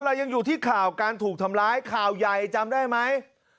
เรายังอยู่ที่ข่าวการถูกทำร้ายข่าวใหญ่จำได้ไหม